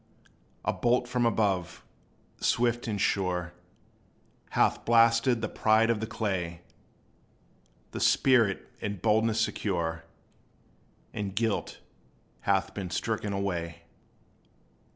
A bolt from above, swift and sure, Hath blasted the pride of the clay; The spirit, in boldness secure, In guilt hath been stricken away.